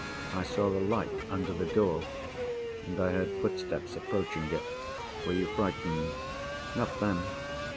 "I saw a light, under the door; and I heard footsteps approaching it." "Were you frightened?" "Not then.